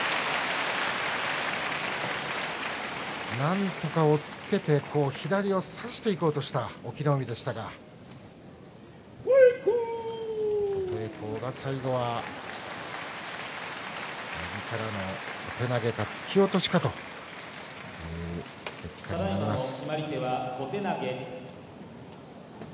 なんとか押っつけて左を差していこうとした隠岐の海でしたが琴恵光が最後、右からの小手投げか突き落としかという結果になります。